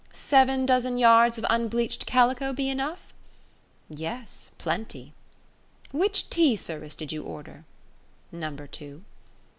"Seven dozen yards of unbleached calico be enough?" "Yes; plenty." "Which tea service did you order?" "Number two."